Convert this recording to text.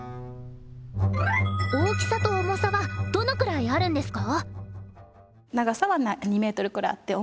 大きさと重さはどのくらいあるんですか？